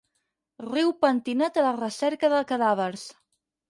Riu pentinat a la recerca de cadàvers.